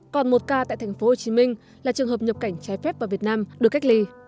còn một ca tại tp hcm là trường hợp nhập cảnh trái phép vào việt nam được cách ly